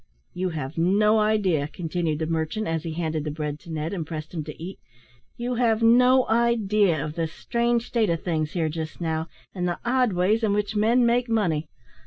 "You have no idea," continued the merchant, as he handed the bread to Ned, and pressed him to eat "you have no idea of the strange state of things here just now, and the odd ways in which men make money.